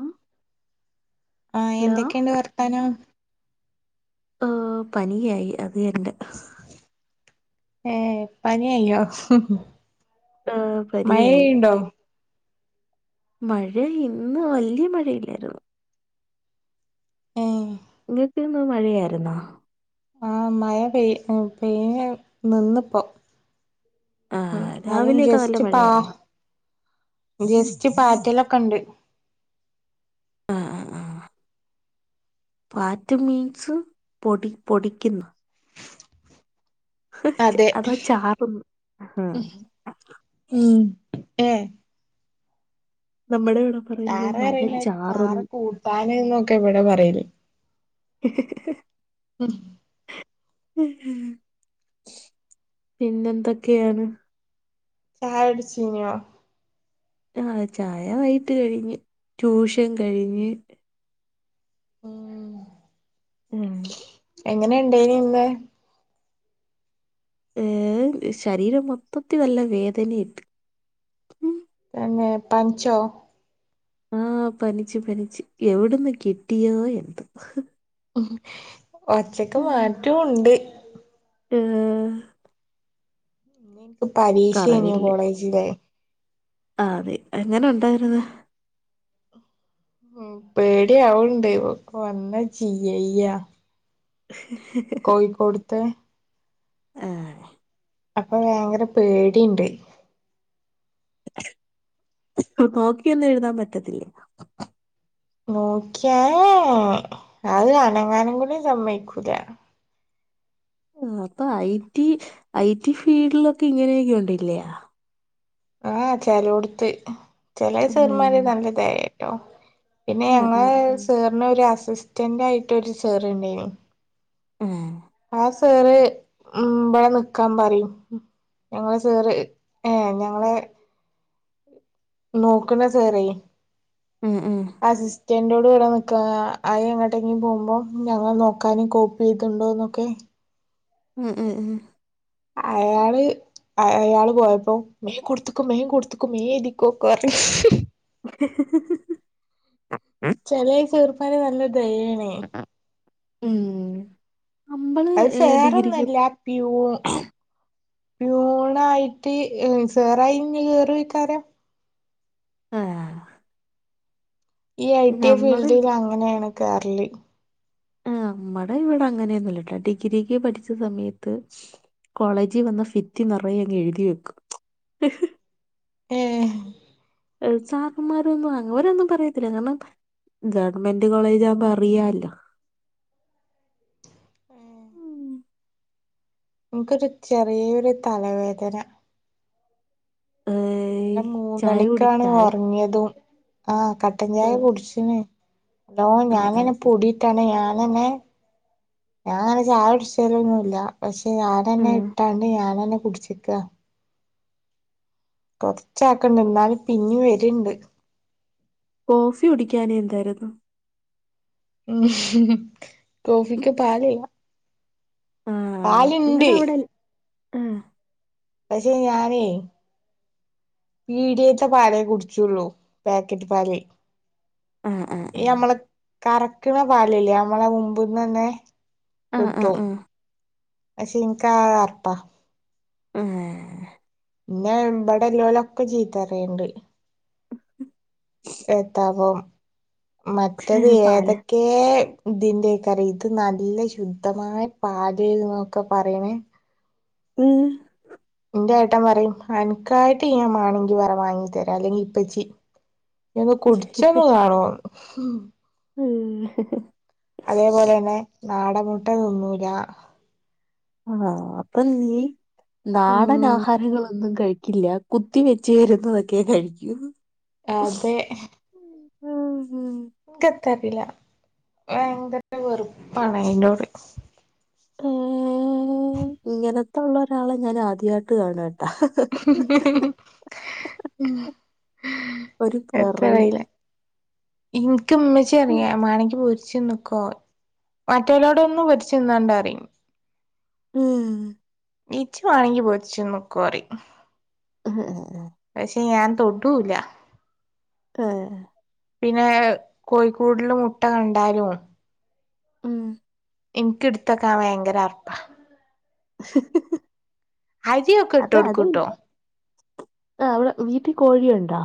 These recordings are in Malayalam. ആഹ് ആഹ് എന്തൊക്കെണ്ട് വർത്താനം ആഹ് പനിയായി അത് യെന്നെ ഏഹ് പനി ഐയ് ന്യോ ഏഹ് പനിയായി മഴയ്യ്ണ്ടോ മഴ ഇന്ന് വല്യ മഴയില്ലായിരുന്നു ഏഹ് ഇങ്ങക്ക്ന്ന് മഴയായിരുന്നോ ആഹ് മഴ പെയ് പെയെ നിന്ന്പ്പോ ഉം ആഹ് ആദ്യം രാവിലെയൊക്കെ നല്ല ജെസ്റ്റ് പാ മഴയായിരുന്നോ ജസ്റ്റ് പാറ്റലൊക്കെണ്ട് ആഹ് ആഹ് ആഹ് പാറ്റ് മീൻസ് പൊടി പൊടിക്കുന്ന് ഹ് ച്ചെ അതെ അതാ ചാറും ന്ന് ഉം ഏഹ് നമ്മുടെ ഇവിടെ പറയുന്നത് ചാറ് മഴ അറിയുന്നെ ചാറ് ചാറുന്നു കൂട്ടാന്ന്നൊക്കെ ഇവിടെ പറയല് ഉം ഉം പിന്നെന്തൊക്കെയാണ് ചായ കുടിച്ചിനോ ആഹ് ചായ വൈയ്ട്ട് കഴിഞ്ഞ് ട്യൂഷൻ കഴിഞ്ഞ് ഉം ഉം എങ്ങനെണ്ടേനിം ഇന്ന് എഹ് ശരീരം മൊത്തത്തിൽ നല്ല വേദന ഇണ്ട് തന്നെ പൻച്ചോ ആഹ് പനിച്ച് പനിച്ച് എവിടന്ന് കിട്ടിയോ എന്തോ ഉം ഒച്ചക്ക് ഉം മാറ്റോണ്ട് ഏഹ് ഇനി എനക്ക് പരീക്ഷ നീം കറവില്ല് കോളേജിലെ ആഹ് അതെ എങ്ങനെ ഉണ്ടായിരുന്ന് ഉം പേടി ആവണ്ട് വന്നാ ചീയയ്യ കോയിക്കോട് ത്തെ ആഹ് അപ്പൊ ഭയങ്കര പേടീണ്ട് നോക്കിയൊന്നും എഴുതാൻ പറ്റത്തില്ലേ നോക്ക്യാ ഏഹ് അത് അനങ്ങാനും കൂടി സമ്മയ്ക്കൂല ആഹ് അപ്പൊ ഐ ടി ഐ ടി ഫീൽഡിലൊക്കെ ഇങ്ങനെയൊക്കെ ഉണ്ടല്ല്യ ആഹ് ചെലോടുത്ത് ചെല ഉം സാറ്മാര് നല്ല ദയയാട്ടോ പിന്നെ ഉം ഉം ഞങ്ങള് സാറിന് ഒരു അസിസ്റ്റന്റ് ആയിട്ടൊരു സാറുണ്ടേന് ഉം ആഹ് സേറ് ഉം ഇബടെ നിക്കാൻ പറയും ഞങ്ങള് സേറ് ഏഹ് ഞങ്ങളെ നോക്കുന്ന സാറേ ഉം ഉം അസിസ്റ്റൻറ്റോട് ഇവടെ നിൽക്കാന അയ് എങ്ങോട്ടെങ്കിലും പോവുമ്പോം ഞങ്ങൾ നോക്കാനും കോപ്പീത്ണ്ടോ എന്നൊക്കെ ഉം ഉം ഉം അയാള് അയാള് പോയപ്പോ വേം കൊടുത്തുക്കോ മേം കൊടുത്തുക്കോ മേം എഴുതിക്കോ ക്കെ പറഞ്ഞ് ചെലേ സേറുപ്പാന് നല്ല ദയാണേ ഉം നമ്മള് അത് ഏ, സേറൊന്നും ഡിഗ്രിക്ക് അല്ല പ്യൂ പ്യൂണായിട്ട് ഏഹ് ഉം സേറായിഞ്ഞ് കേറിരിക്കാന ആഹ് ഈ ഐ ടി നമ്മള് ഫീൽഡിൽ അങ്ങനെയാണ് കേറല് ആഹ് നമ്മടെ ഇവിടെ അങ്ങനെയൊന്നുല്ലട്ടോ ഡിഗ്രിക്ക് പഠിച്ച സമയത്ത് കോളേജിൽ വന്ന ഫിത്തി നെറയെ അങ്ങ് എഴുതി വെക്കും ഏഹ് ഏഹ് സാറന്മാരൊന്നും അങ്ങോരൊന്നും പറയത്തില്ല കാരണം ഗവൺമെന്റ് കോളേജ് ആവുമ്പോ അറിയാലോ ഉം. എൻക്കൊരു ചെറിയൊരു തലവേദന ഏയ് ഇന്നലെ ചായ കുടി മൂന്നണിക്കാണ് ചായ ഒറങ്ങിയതും ആഹ് കട്ടൻചായ ഏഹ് കുടിച്ചിന് ഓഹ് ആഹ് ഞാനന്നെ ആഹ് പൊടിട്ടാണ് ഞാനെന്നെ ഞാൻ അങ്ങനെ ചായ കുടിച്ചലൊന്നുഇല്ല പക്ഷെ ഞാനന്നെ ആഹ് ഇട്ടാണ്ട് ഞൻ തന്നെ കുടിച്ചിക്ക കൊറച്ച ആക്കണ്ട് എന്നാലും പിന്നും വരിണ്ട് കോഫി കുടിക്കാനെ എന്തായിരുന്നു ഉം കോഫിക്ക് പാലില്ല ആഹ് പാല്ണ്ട് നിങ്ങടവിടെൽ ആഹ് പക്ഷെ ഞാനേ പീടിയേത്തെ പാലേ കുടിച്ചുള്ളൂ പാക്കറ്റ് പാല് ആഹ് ആഹ് ആ ഈ യമ്മള് കറക്ക്ണ പാലില്ലേ നമ്മള മുമ്പ്ന്ന് തന്നെ ആഹ് കിട്ടും ആഹ് പഷെ എനിക്കാക അറപ്പാ ഏഹ് ന്നെ ഇവിടെ ഉള്ളോലൊക്കെ ചീത്തറയുണ്ട് എത്താവും മറ്റത് ഏതെ പാല് ക്കേ ഇതിന്റേക്കാരം ഇത് നല്ല ശുദ്ധമായ പാല് എന്നൊക്കെ പറയണേ ഉം ന്റെ ഏട്ടൻ പറയും അനക്കായിട്ട് ഞാൻ മാണെങ്കി വേറെ വാങ്ങി തരാം അല്ലെങ്കി ഇപ്പച്ചി നീ ഒന്ന് കുടിച്ചൊന്ന് കാണൂന്ന് ഉം അതേപോലെന്നെ നാടൻ മുട്ട തിന്നൂല ആഹ് അപ്പം നീ നാടനാ ഉം ആഹാരങ്ങളൊന്നും കഴിക്കില്ല കുത്തി വെച്ച് വരുന്നതൊക്കെ കഴിക്കൂ അതെ ഉം ഹും എനിക്ക് എത്താ അറിയില്ല ഭയങ്കര വെറുപ്പാണ് അയിന്റോട് ഉം... ഇങ്ങനത്തൊള്ള ഒരാളെ ഞാൻ ആദ്യായിട്ട് കാണാണ് ഒരു എന്ത അറിയില്ല വെറൈറ്റി ഇൻക്ക് ഉമ്മച്ചി അറിയേ മേണങ്കി പൊരിച്ചിന്നുക്കോ മറ്റുള്ളോടൊന്നും പൊരിച്ച് തിന്നണ്ടാ പറയും ഉം ഇച്ച് വേണെങ്കി പോരിച്ച് തിന്നുക്കൊ പറയും [inaudible] പക്ഷെ ഞാൻ തൊടൂല്ല ആഹ് പിന്നെ കോഴിക്കൂട്ട്ല് മുട്ട കണ്ടാലും ഉം എനിക്ക് എടുത്ത് വെക്കാൻ ഭയങ്കര അറപ്പാ അരിയൊക്കെ ഇട്ട് അത് അത് കൊടുക്കൂട്ടോ ആ അവിടെ വീട്ടി കോഴിയുണ്ടാ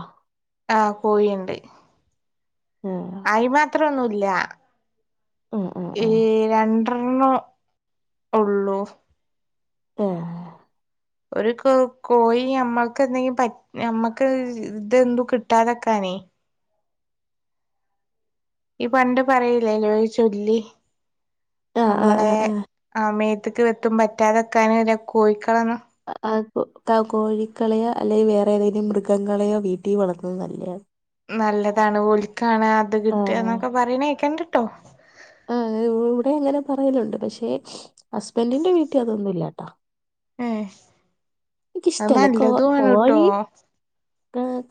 ആഹ് കോയിയിണ്ട് ആ, അയ് മാത്രം ഒന്നൂല്ല ആ, ആ, ആ. ഈ രണ്ടണ്ണം ഉള്ളൂ ഏഹ് ഒരു കോ കോഴി നമ്മക്ക് എന്തെങ്കി പറ്റ് ഞമ്മക്ക് ഇതെന്തു കിട്ടാതെക്കാനേ ഈ പണ്ട് പറയില്ലേ നിയോ ഒരു ചൊല്ല് ആ, ആ, നമ്മളേ ആ, ആ. ആ മേത്ത്ക്ക് വെത്തും പറ്റാതെക്കാന് പിന്നെ കോഴിക്കളെന്ന് അ അ കോഴിക്കളെയോ അല്ലെ വേറെ ഏതൈലും മൃഗങ്ങളെയോ വീട്ടി വളത്തുന്ന നല്ലയാണ് നല്ലതാണ് ഒൽക്കാണ് അത് കിട്ടുക ആ. എന്നൊക്കെ പറയണ കേക്കണ്ടിട്ടോ ആഹ് ഇവിടെയും അങ്ങനെ പറയലുണ്ട് പക്ഷെ ഹസ്ബൻ്റിന്റെ വീട്ടി അതൊന്നും ഇല്ലാട്ടോ ഏഹ് ഇൻക് ഇഷ്ടല്ല കോ ട്ടോ കോഴി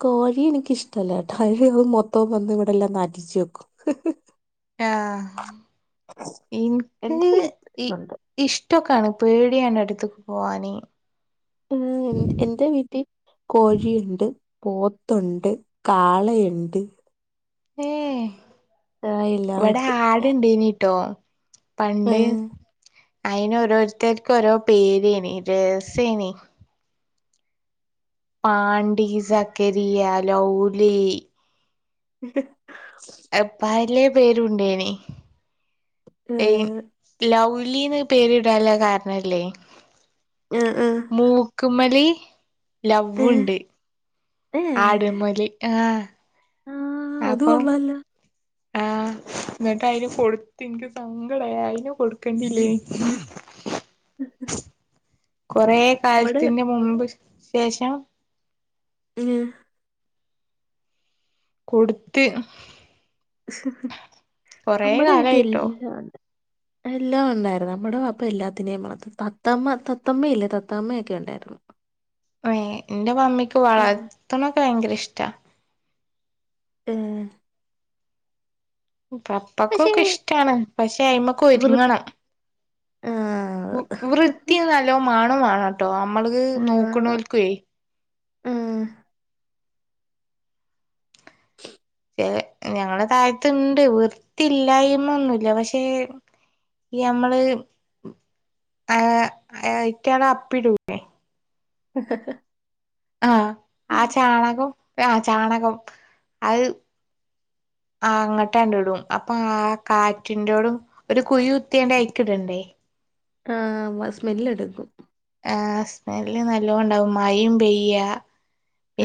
കോഴി എനിക്കിഷ്ട്ടല്ല ട്ടാ മൊത്തോം വന്ന് ഇവിടെ എല്ലാം നാറ്റിച്ചു വെക്കും ഹ് ആഹ് ഹ് എന്റെ വീട്ടിലുണ്ട് ഇഷ്ട്ടോക്കാണ് പേടിയാ അയിന്റെ അടുത്ക്ക് പോകാന് മ്മ് എന്റെ വീട്ടി കോഴി ൻണ്ട് പോത്തുണ്ട് കാളയുണ്ട് ഏ ആഹ് എല്ലാം ഇവിട ഉണ്ട് ആട് ണ്ടെന്നിട്ടോ പണ്ട് ആഹ് അയിന് ഓരോരുത്തർക്ക് ഓരോ പേരേനി രസേനി പാണ്ടി സക്കരിയ ലൗലി [inaudible] പല പേരുണ്ടേനി [unintelligible] ഏഹ് ലൗലിന്ന് പേരിടാൻ ള്ള കാരണല്ലേ ആഹ് ആഹ് മൂക്കുമല് ഏഹ് ലവുണ്ട് ഏഹ് ആടുമല് ആഹ് ആഹ് അത് അപ്പം കൊള്ളാല്ലോ ആഹ് [inaudible] എന്നിട്ട് അയിന് കൊടുത്ത് ഇനിക്ക് സങ്കടായി അയിനെ കൊടുക്കണ്ട്ല്ലേയി [inaudible] കൊറേ നമ്മടെ കാലത്തിന്റെ മുമ്പ് ശേഷം മ്മ് കൊടുത്ത് ആഹ് കൊറേ നമ്മടെ വീട്ടി കാലായിട്ടോ എല്ലാഒണ്ട് എല്ലാം ഒണ്ടാരുന്നു നമ്മട വാപ്പ എല്ലാത്തിനേം വളർത്തും തത്തമ്മ തത്തമ്മയില്ലേ തത്തമ്മയൊക്കെ ഒണ്ടായിരുന്നു ൻന്റെ മമ്മിക്ക് ആഹ് വളർത്ത്ന്നൊക്കെ ഭയങ്കര ഇഷ് ഏഹ് പപ്പ പക്ഷേ ക്കൊക്കെ ഇഷ്ടാണ് പക്ഷെ അയിമക്ക് വൃ ഒരുങ്ങണം ആ, വൃത്തി നല്ലോ മാണോം മാണട്ടോ നമ്മള് നോക്ണോൽക്കെ ഉം ഏഹ് ഞങ്ങളെ താഴത്ത് ഇണ്ട് വൃത്തില്ലായ്മ ഒന്നുല്ല പക്ഷേ ഈ മ്മള് ആഹ് അയിറ്റള് അപ്പിടൂലെ [inaudible] ആഹ് ആ ഉം. ചാണകം ആ ചാണകം അത് ആഹ് അങ്ങട്ടാണ്ട് ടും അപ്പൊ ആഹ് കാറ്റിൻ്റോടും ഒരു കുയി കുത്തിയാണ്ട് അയിക്ക് ടണ്ടേ ആഹ് വ സ്മെല്ല് എടുക്കും ആഹ് സ്മെല്ല് നല്ലോം ണ്ടാവും മഴേം പെയ്യ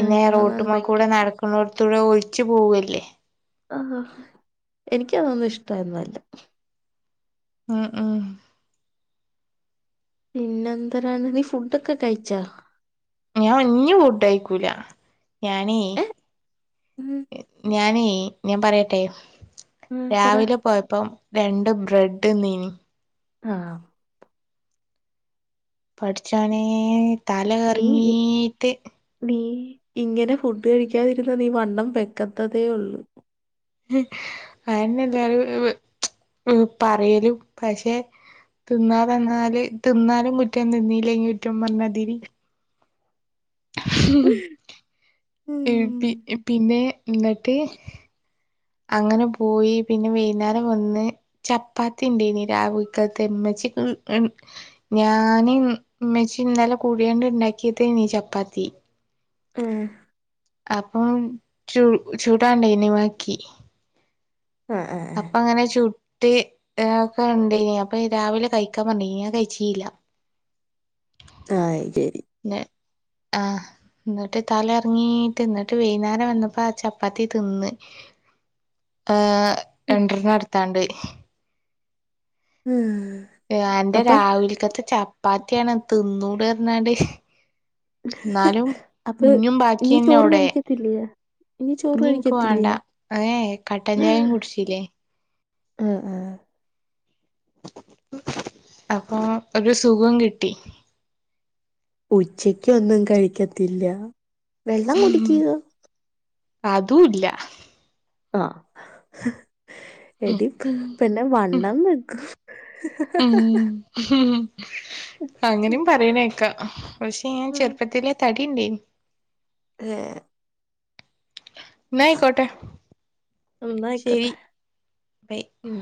ആ, അതാണ് റോട്ടുമ്മ കൂടെ ഭയങ്കര നടക്കുന്നോട്ത്തൂടെ ഒലിച്ച് പോവല്ലേ ആഹ്ഹാ എനിക്ക് അതൊന്നും ഇഷ്ടന്നല്ല ഉം ഉം പിന്ന എന്തരാണ് നീ ഫുഡൊക്കെ കഴിച്ചാ ഞാൻഇഞ്ഞി ഫുഡയിക്കൂല ഞാനേ ഏ ഉം, ഞാനേ ഞാൻ പറയട്ടെ ഉം, പറ രാവിലെ പോയപ്പം രണ്ട് ബ്രെഡ് തിന്നീനി ആഹ് പട്ച്ചോനേ തല നീ നീ കറങ്ങീട്ട് നീ ഇങ്ങനെ ഫുഡ് കഴിക്കാതിരുന്ന നീ വണ്ണം വെക്കത്തതേ ഉള്ളു അതന്നെ [unintelligible] എല്ലാരും പറയലും പക്ഷെ തിന്നാ തന്നാല് തിന്നാലും കുറ്റം തിന്നീല്ലെങ്കി കുറ്റം പറഞ്ഞാതിരി പി ഉം. പി പിന്നെ എന്നട്ട് അങ്ങനെ പോയി പിന്നെ വെയ്ന്നേരം വന്ന് ചപ്പാത്തി ഉണ്ടേനി രാവിലത്തത്തെന്നുച്ചയ്ക്കി [unintelligible] ഞാന് ഇമ്മച്ചിം ഇന്നലെ കൂടിയണ്ട്ണ്ടാക്കിയതേനീ ചപ്പാത്തി ഉം അപ്പം ചൂ ചുടാൻണ്ടൊ ഇനിബാക്കി ആഹ് ആഹ് അപ്പ ആഹ് അങ്ങനെ ചുട്ട് ഒക്കെ ഉണ്ടേനി അപ്പൊ ഈ രാവിലെ കഴിക്കാൻ പറഞ്ഞിന് ഞാൻ കഴിച്ചീല ആ അയ്ശരി ന്നെ ആഹ് ഇന്നെട്ട് തല കറങ്ങീട്ട് ഇന്നെട്ട് വൈന്നേരം വന്നപ്പോ ആ ചപ്പാത്തി തിന്ന് ആഹ് രണ്ടെണ്ണം ഇട്ത്താണ്ട് ഏഹ് എന്റെ രാവിലക്കത്തെ ചപ്പാത്ത്യാണ് തിന്നൂട്റ്ഞ്ഞാണ്ട് ഇന്നാലും അപ്പൊ ഇഞ്ഞും ഇനി ബാക്ക്യന്നെ ചോറ് അവ്ടെ. കഴിക്കത്തില്ലയ ഇനി ചോറ് കഴിക്കത്തില്ല്യേ? ഏയെ കട്ട ചായിം കുട്ച്ചിലെ ആഹ് ആഹ് അപ്പൊ ഒരു സുഖം കിട്ടി. ഉച്ചയ്ക്കൊന്നും കഴിക്കത്തില്ല വെള്ളം കുടിക്ക്യോ അതുല്ല ആഹ് എടി പിന്നെ വണ്ണം വെക്കും. അങ്ങനിം പറീണെക്കാ പക്ഷെ ഞാൻ ഉം ചെറ്പ്പത്തിലേ തടിണ്ടേനി ഏഹ് എന്നാ ആയിക്കോട്ടെ എന്നാ ശരി അയ്ക്കോട്ടെ ബൈ ഉം